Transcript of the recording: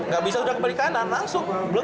gak bisa udah kebalik kanan langsung